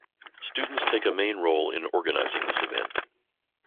Students take a main role in organizing this event.